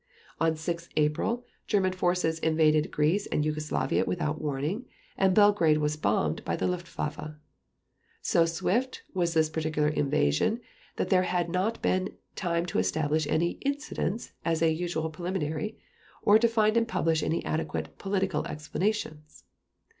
On 6 April German forces invaded Greece and Yugoslavia without warning, and Belgrade was bombed by the Luftwaffe. So swift was this particular invasion that there had not been time to establish any "incidents" as a usual preliminary, or to find and publish any adequate "political" explanations.